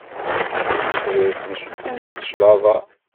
Tibḥirt mačči kan d cclaḍa.